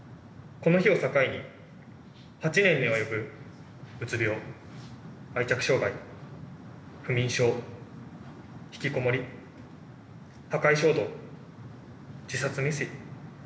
この日を境に８年に及ぶうつ病愛着障害不眠症引きこもり破壊衝動自殺未遂。